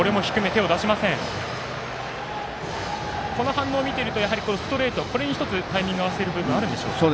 反応を見ているとストレート、これに１つタイミング合わせる部分あるんでしょうか。